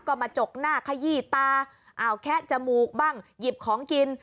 ก็มาจกหน้าขยี้ตาอ้าวแคะจมูกบ้างหยิบของกิน